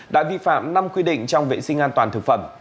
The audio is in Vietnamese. đã vi phạm năm quy định trong vệ sinh an toàn thực phẩm